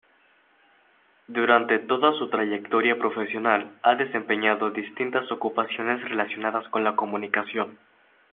Durante toda su trayectoria profesional ha desempeñado distintas ocupaciones relacionadas con la comunicación.